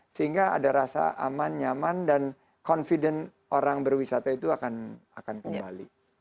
sehingga ada rasa aman nyaman dan confident orang berwisata itu akan kembali